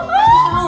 pasti seru deh